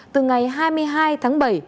từ ngày hai mươi hai tháng một